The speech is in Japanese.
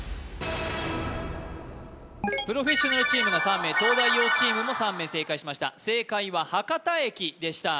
プロフェッショナルチームが３名東大王チームも３名正解しましたでした